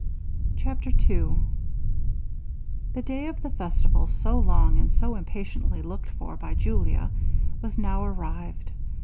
CHAPTER II The day of the festival, so long and so impatiently looked for by Julia, was now arrived.